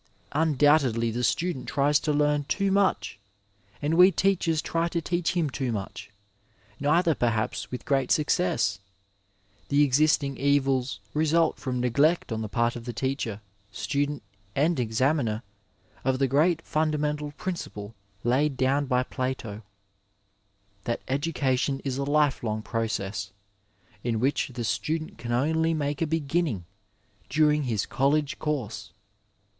Undoubtedly the student tries to learn too much, and we teachers try to teach him too much — ^neither, perhaps, with great success. The existing evils result from neglect on the part of the teacher, student and examiner of the great fundamental principle laid down by Plato — ^that education is a life long process, in which the student can only make a beginning during his college course.